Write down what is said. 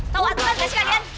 tahu aturan ya sekalian